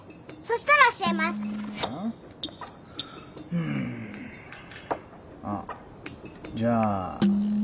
うーん。あっじゃあこれ。